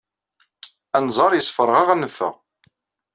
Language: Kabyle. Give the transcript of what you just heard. Anẓar yessefreɣ-aɣ ad neffeɣ.